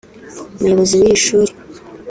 umuyobozi w’iri shuri